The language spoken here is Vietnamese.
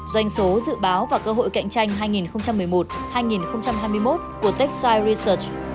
doanh số dự báo và cơ hội cạnh tranh hai nghìn một mươi một hai nghìn hai mươi một của texai resit